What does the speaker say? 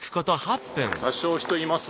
多少人います。